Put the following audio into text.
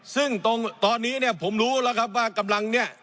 ซึ่งตอนนี้เนี่ยผมรู้แล้วครับว่ากำลังเนี่ย